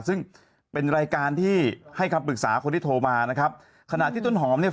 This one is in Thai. ซึ่งเป็นรายการที่ให้คำปรึกษาคนที่โทรมานะครับขณะที่ต้นหอมเนี่ย